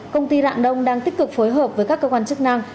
công ty rạng đông đang tích cực phối hợp với các cơ quan chức năng